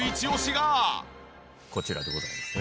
こちらでございますね。